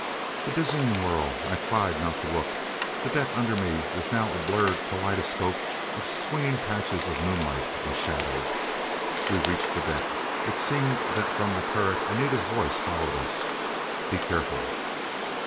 This dizzying whirl. I tried not to look. The deck under me was now a blurred kaleidoscope of swinging patches of moonlight and shadow. We reached the deck. It seemed that from the turret Anita's voice followed us. "Be careful!"